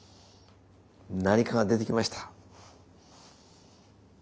何かが出てきました。